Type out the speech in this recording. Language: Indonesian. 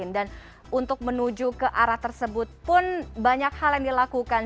dan untuk menuju ke arah tersebut pun banyak hal yang dilakukan